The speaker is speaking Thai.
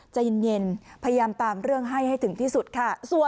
ใจเย็นพยายามตามเรื่องให้ให้ถึงที่สุดค่ะ